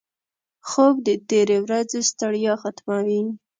خوب د تېرې ورځې ستړیا ختموي